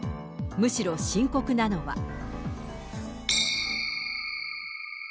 むしろ深刻なのは。